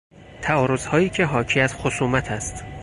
تعارضهایی که حاکی از خصومت است